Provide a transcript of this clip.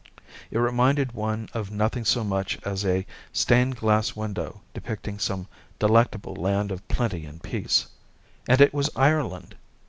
It reminded one of nothing so much as a stained glass window depicting some delectable land of plenty and peace. And it was Ireland!